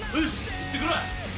行ってくるわ！